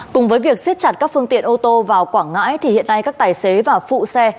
cùng với việc siết chặt các phương tiện ô tô vào quảng ngãi thì hiện nay các tài xế và phụ xe